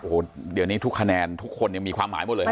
โอ้โหเดี๋ยวนี้ทุกคะแนนทุกคนเนี่ยมีความหมายหมดเลยนะ